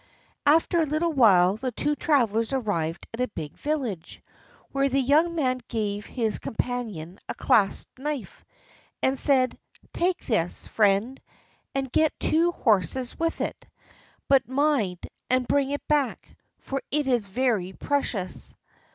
After a little while the two travelers arrived at a big village, where the young man gave his companion a clasp knife, and said: "Take this, friend, and get two horses with it; but mind and bring it back, for it is very precious."